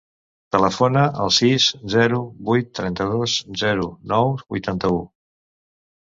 Telefona al sis, zero, vuit, trenta-dos, zero, nou, vuitanta-u.